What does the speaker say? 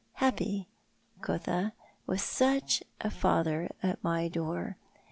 Happy, quotha, with such a father at my door !